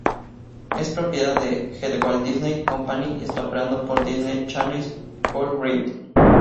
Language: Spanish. Es propiedad de The Walt Disney Company y está operado por Disney Channels Worldwide.